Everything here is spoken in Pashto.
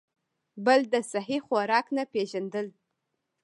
بل د سهي خوراک نۀ پېژندل ،